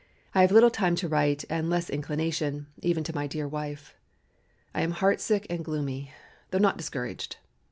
I have little time to write and less inclination, even to my dear wife. I am heart sick and gloomy, though not discouraged.